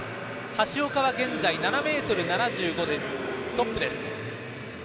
橋岡は現在７ｍ７５でトップです。